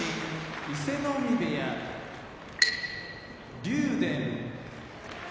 伊勢ノ海部屋竜電